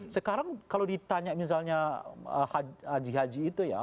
sekarang kalau ditanya misalnya haji haji itu ya